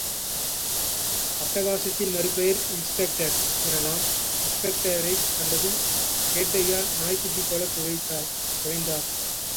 அட்டகாசத்தின் மறுபெயர் இன்ஸ்பெக்டர் எனலாம். இன்ஸ்பெக்டரைக் கண்டதும் ஏட்டய்யா நாய்க்குட்டி போலக் குழைந்தார்.